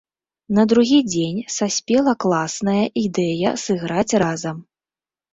На другі дзень саспела класная, ідэя сыграць разам.